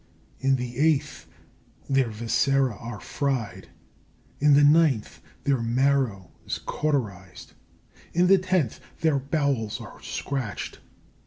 In the eighth, their viscera are fried. In the ninth, their marrow is cauterized. In the tenth, their bowels are scratched.